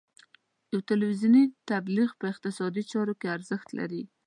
یو تلویزیوني تبلیغ په اقتصادي چارو کې ارزښت لري.